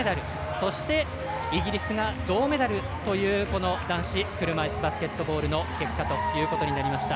そしてイギリスが銅メダルというこの男子車いすバスケットボール結果となりました。